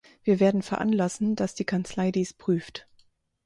Wir werden veranlassen, dass die Kanzlei dies prüft.